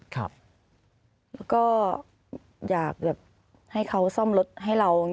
แล้วก็อยากแบบให้เขาซ่อมรถให้เรา